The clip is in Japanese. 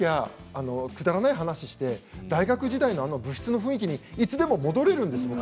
くだらない話をして大学時代の部室の雰囲気にいつでも戻れるんです。